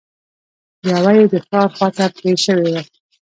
يوه يې د ښار خواته پرې شوې وه.